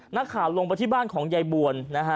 นักข่าวลงไปที่บ้านของยายบวลนะฮะ